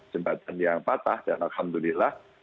jembatan yang patah dan alhamdulillah